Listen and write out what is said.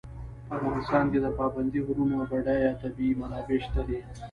په افغانستان کې د پابندي غرونو بډایه طبیعي منابع شته دي.